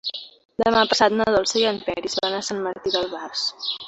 Demà passat na Dolça i en Peris van a Sant Martí d'Albars.